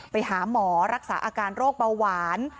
ไปหาหมอรักษาอาการโรคเบาหวาน